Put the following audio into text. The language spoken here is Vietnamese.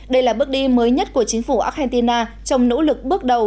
đây là bước đi mới nhất của chính phủ argentina trong nỗ lực bước đầu